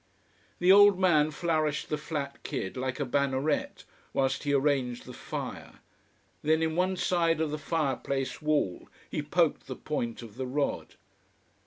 The old man flourished the flat kid like a bannerette, whilst he arranged the fire. Then, in one side of the fire place wall he poked the point of the rod.